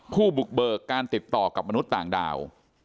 ผู้บุกเบิกการติดต่อกับมนุษย์ต่างดาว